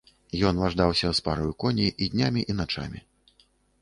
Ён важдаўся з параю коней і днямі і начамі.